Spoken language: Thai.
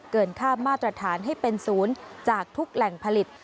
ค่ามาตรฐานให้เป็นศูนย์จากทุกแหล่งผลิต